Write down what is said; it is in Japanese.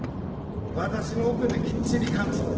私のオペできっちり完治。